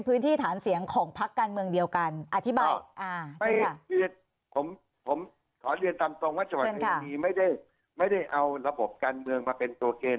ผมขอเรียนตามตรงว่าจิตนี้ไม่ได้เอาระบบการเมืองมาเป็นตัวเกณฑ์